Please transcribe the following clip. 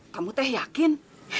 kamu teh yakin